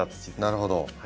なるほど。